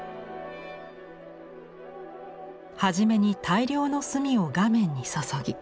初めに大量の墨を画面に注ぎ